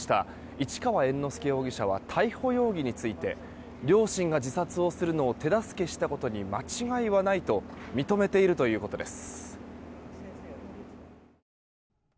市川猿之助容疑者は逮捕容疑について両親が自殺をするのを手助けしたことに間違いはないと認めているということです。